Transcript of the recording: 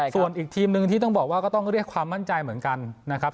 ส่วนอีกทีมหนึ่งที่ต้องบอกว่าก็ต้องเรียกความมั่นใจเหมือนกันนะครับ